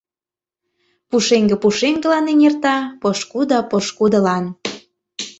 Пушеҥге пушеҥгылан эҥерта, пошкудо — пошкудылан!